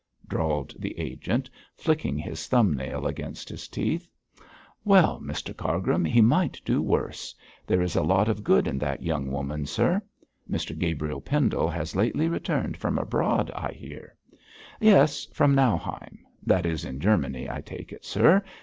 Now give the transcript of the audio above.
drawled the agent, flicking his thumb nail against his teeth. 'Well, Mr Cargrim, he might do worse. There is a lot of good in that young woman, sir. Mr Gabriel Pendle has lately returned from abroad, I hear.' 'Yes, from Nauheim.' 'That is in Germany, I take it, sir.